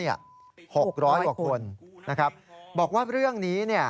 ๖๐๐บาทบอกว่าเรื่องนี้